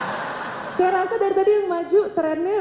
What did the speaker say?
saya rasa dari tadi yang maju trendnya